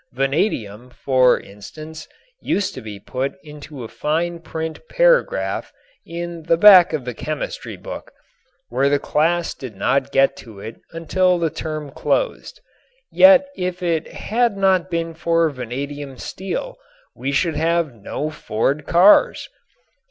Vanadium, for instance, used to be put into a fine print paragraph in the back of the chemistry book, where the class did not get to it until the term closed. Yet if it had not been for vanadium steel we should have no Ford cars.